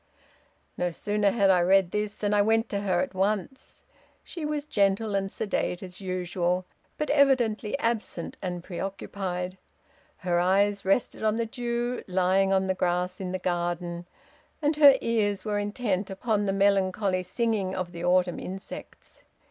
"No sooner had I read this than I went to her at once. She was gentle and sedate as usual, but evidently absent and preoccupied. Her eyes rested on the dew lying on the grass in the garden, and her ears were intent upon the melancholy singing of the autumn insects.